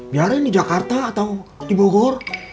biarin di jakarta atau di bogor